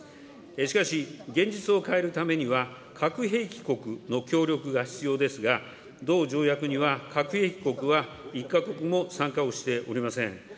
しかし、現実を変えるためには、核兵器国の協力が必要ですが、同条約には核兵器国は１か国も参加をしておりません。